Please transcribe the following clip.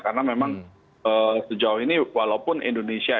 karena memang sejauh ini walaupun indonesia